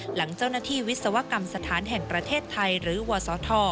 หลังเจ้าหน้าที่วิศวกรรมสถานแห่งประเทศไทยหรือวศธ